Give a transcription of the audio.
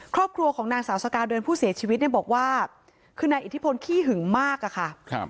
ครอบครัวของนางสาวสกาเดินผู้เสียชีวิตเนี่ยบอกว่าคือนายอิทธิพลขี้หึงมากอะค่ะ